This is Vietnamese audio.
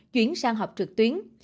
chuyển sang học trực tuyến